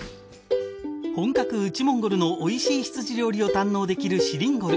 本格内モンゴルのおいしい羊料理を堪能できるＳｈｉｌｉｎｇｏｌ。